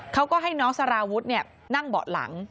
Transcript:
เขาก็ให้น้องสารวุฒินั่งเบาะหลัง